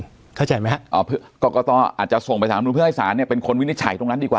กรกตอาจจะส่งไปสารรัฐธรรมนุนเพื่อให้สารเป็นคนวินิจฉัยตรงนั้นดีกว่า